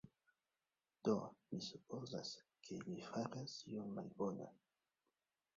Do, mi supozas, ke li faras ion malbonan